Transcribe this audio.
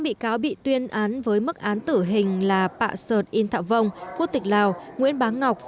năm bị cáo bị tuyên án với mức án tử hình là pạ sợn yên thạo vông quốc tịch lào nguyễn bán ngọc